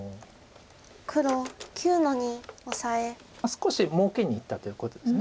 少しもうけにいったということです